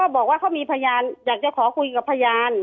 เห็นได้ยังไงในเมื่อรถจอดอยู่ที่บ้าน